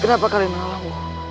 kenapa kalian malam